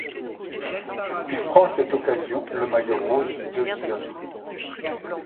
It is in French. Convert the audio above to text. Il prend à cette occasion le maillot rose de leader.